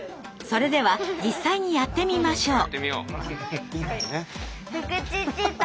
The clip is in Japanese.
それでは実際にやってみましょう。